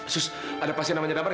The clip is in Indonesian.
sus ada pasien namanya nama gak sus